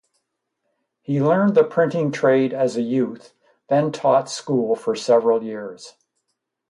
He learned the printing trade as a youth, then taught school for several years.